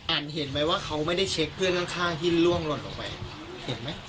เห็นไหมว่าเขาไม่ได้เช็คเพื่อนข้างที่ล่วงหล่นลงไปเห็นไหม